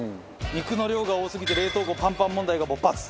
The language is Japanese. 肉の量が多すぎて冷凍庫パンパン問題が勃発。